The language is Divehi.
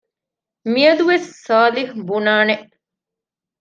މިއަދުވެސް ސާލިހް ބުނާނެ